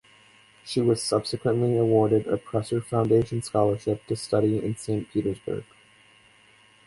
She was subsequently awarded a Presser Foundation Scholarship to study in Saint Petersburg.